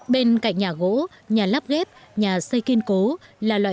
bên cạnh nhà gỗ nhà lắp ghép nhà xây kiên cố